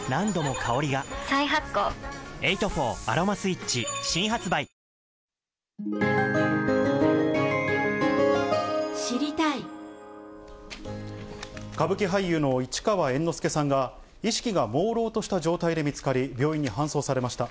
「エイト・フォーアロマスイッチ」新発売歌舞伎俳優の市川猿之助さんが、意識がもうろうとした状態で見つかり、病院に搬送されました。